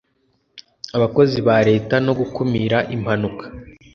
abakozi ba leta no gukumira impanuka